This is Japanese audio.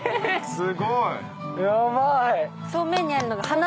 すごい。